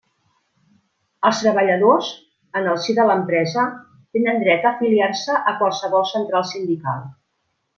Els treballadors, en el si de l'empresa, tenen dret a afiliar-se a qualsevol central sindical.